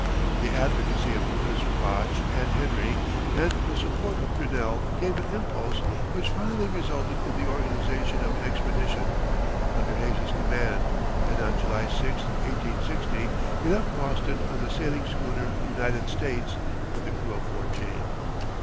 The advocacy of Professors Bache and Henry, and the support of Grinnell, gave an impulse which finally resulted in the organization of an expedition, under Hayes's command, and on July 6, 1860, he left Boston on the sailing schooner United States, with a crew of fourteen.